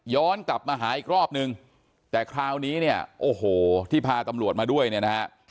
กลับมาหาอีกรอบนึงแต่คราวนี้เนี่ยโอ้โหที่พาตำรวจมาด้วยเนี่ยนะฮะ